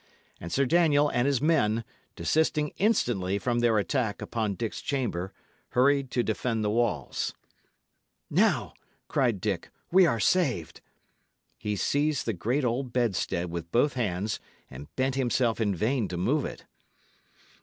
And Sir Daniel and his men, desisting instantly from their attack upon Dick's chamber, hurried to defend the walls. "Now," cried Dick, "we are saved." He seized the great old bedstead with both hands, and bent himself in vain to move it.